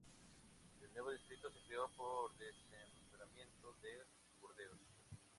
El nuevo distrito se creó por desmembramiento del de Burdeos.